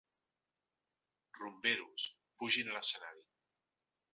Rumberos, pugin a l’escenari.